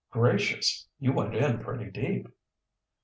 "Gracious! You went in pretty deep.'